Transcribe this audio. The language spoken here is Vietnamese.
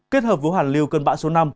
kết hợp với hoàn liêu cơn bão số năm